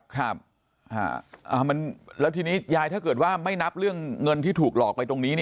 ครับแล้วทีนี้ยายถ้าเกิดว่าไม่นับเรื่องเงินที่ถูกหลอกไปตรงนี้